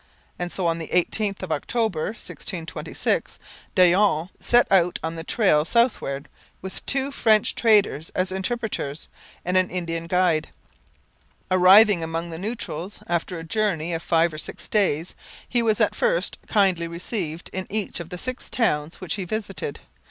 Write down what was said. And so on the 18th of October 1626 Daillon set out on the trail southward, with two French traders as interpreters, and an Indian guide. Arriving among the Neutrals, after a journey of five or six days, he was at first kindly received in each of the six towns which he visited.